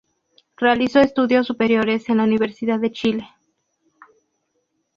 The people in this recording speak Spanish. Realizó estudios superiores en la Universidad de Chile.